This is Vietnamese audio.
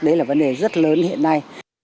đấy là vấn đề rất lớn hiện nay